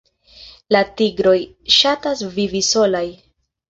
La tigroj ŝatas vivi solaj.